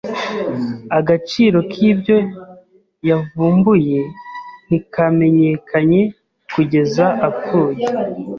Agaciro k'ibyo yavumbuye ntikamenyekanye kugeza apfuye.